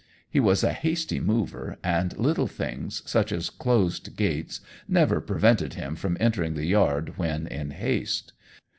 He was a hasty mover, and little things such as closed gates never prevented him from entering the yard when in haste.